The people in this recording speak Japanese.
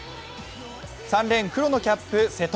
３レーン、黒のキャップ、瀬戸。